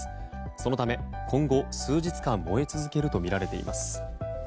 そのため今後数日間燃え続けるとみられています。